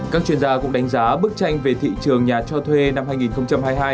các chuyên gia cũng đánh giá bức tranh về thị trường nhà cho thuê năm hai nghìn hai mươi hai